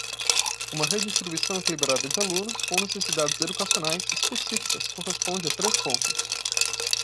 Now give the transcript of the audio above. Uma redistribuição equilibrada de alunos com necessidades educacionais específicas corresponde a três pontos.